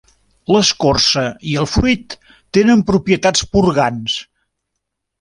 L'escorça i el fruit tenen propietats purgants.